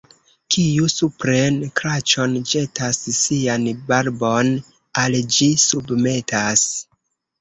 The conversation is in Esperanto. Kiu supren kraĉon ĵetas, sian barbon al ĝi submetas.